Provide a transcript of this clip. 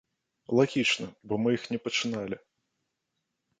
Лагічна, бо мы іх не пачыналі.